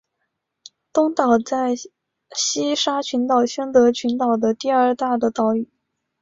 东岛是西沙群岛宣德群岛中的第二大的岛屿。